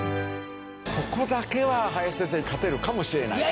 ここだけは林先生に勝てるかもしれない。